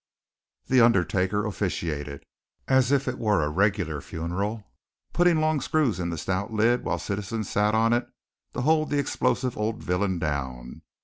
The undertaker officiated, as if it were a regular funeral, putting the long screws in the stout lid while citizens sat on it to hold the explosive old villain down.